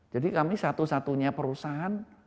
jadi kami satu satunya perusahaan